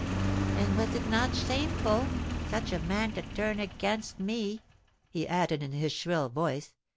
"And was not that shameful? Such a man to turn against me!" he added, in his shrill voice.